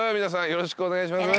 よろしくお願いします。